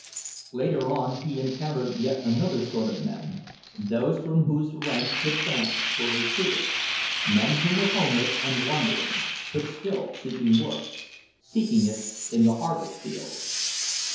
Later on he encountered yet another sort of men, those from whose ranks the tramps were recruited, men who were homeless and wandering, but still seeking work—seeking it in the harvest fields.